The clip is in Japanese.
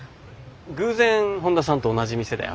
偶然本田さんと同じ店で会って。